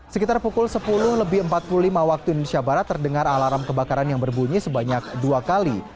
sekitar pukul sepuluh lebih empat puluh lima waktu indonesia barat terdengar alarm kebakaran yang berbunyi sebanyak dua kali